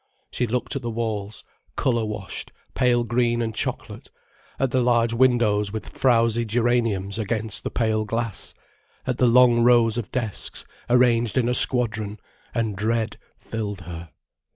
She looked at the walls, colour washed, pale green and chocolate, at the large windows with frowsy geraniums against the pale glass, at the long rows of desks, arranged in a squadron, and dread filled her.